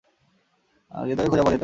কিন্তু ওকে খুঁজে পাওয়া যেতে পারে।